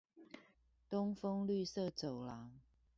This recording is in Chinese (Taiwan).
東豐綠色走廊